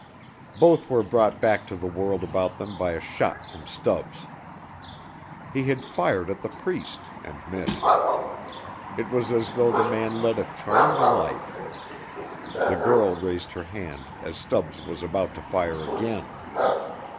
Both were brought back to the world about them by a shot from Stubbs. He had fired at the Priest and missed. It was as though the man led a charmed life. The girl raised her hand as Stubbs was about to fire again.